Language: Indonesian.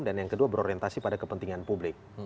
dan yang kedua berorientasi pada kepentingan publik